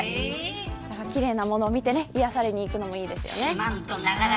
奇麗なものを見て癒やされるのもいいですよね。